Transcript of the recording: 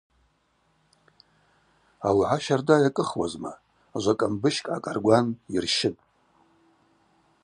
Ауагӏа щарда йакӏыхуазма – жвакӏамбыщкӏ гӏакӏаргван йырщытӏ.